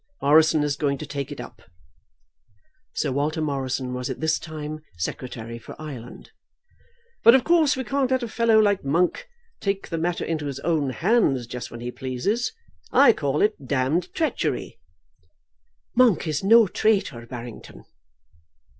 Morrison is going to take it up." Sir Walter Morrison was at this time Secretary for Ireland. "But of course we can't let a fellow like Monk take the matter into his own hands just when he pleases. I call it d d treachery." "Monk is no traitor, Barrington."